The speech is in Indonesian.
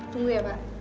tunggu ya pak